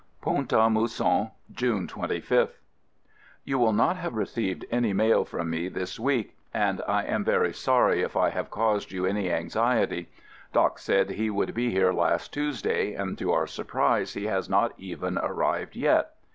Pont a Mousson, June 25th. You will not have received any mail from me this week, and I am very sorry if 30 AMERICAN AMBULANCE I have caused you any anxiety. "Doc" said he would be here last Tuesday, and to our surprise he has not even arrived yet.